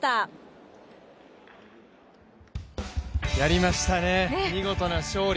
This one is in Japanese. やりましたね、見事な勝利。